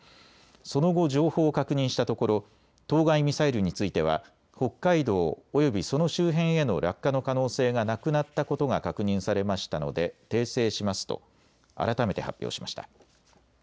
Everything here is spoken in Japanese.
その後、情報を確認したところ当該ミサイルについては北海道およびその周辺への落下の可能性がなくなったことが確認されましたので訂正しますと改めて発表しました。